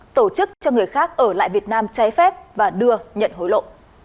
tổ chức cho người khác ở lại việt nam trái phép và đưa nhận hối lộ